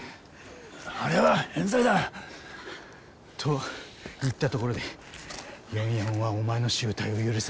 あれは冤罪だ！と言ったところで４４はお前の醜態を許さない。